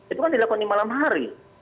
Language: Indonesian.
itu kan dilakukan di malam hari